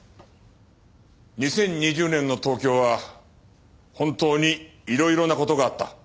２０２０年の東京は本当にいろいろな事があった。